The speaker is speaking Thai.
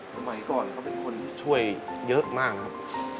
สมัยก่อนเขาเป็นคนช่วยเยอะมากครับ